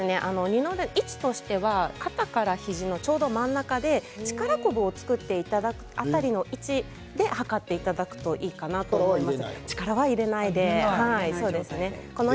位置としては肩からひじのちょうど真ん中で力こぶを作っていただいた辺りの位置で測っていただくといいかなと思います。